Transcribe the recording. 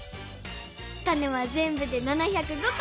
タネはぜんぶで７０５こ！